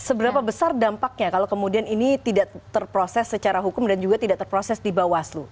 seberapa besar dampaknya kalau kemudian ini tidak terproses secara hukum dan juga tidak terproses di bawaslu